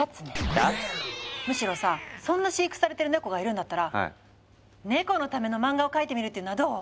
むしろさそんな飼育されてるネコがいるんだったらネコのための漫画を描いてみるっていうのはどう？